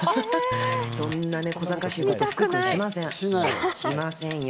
そんなこざかしいこと、福君、しませんよ！